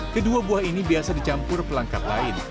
kedua buah ini biasa dicampur pelangkat lain